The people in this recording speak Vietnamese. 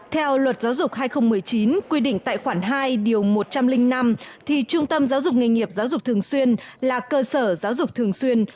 theo luật giáo dục hai nghìn một mươi chín quy định tại khoản hai điều một trăm linh năm thì trung tâm giáo dục nghề nghiệp giáo dục thường xuyên là cơ sở giáo dục thường xuyên